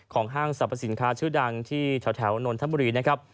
ห้างสรรพสินค้าชื่อดังที่แถวนนทบุรีนะครับ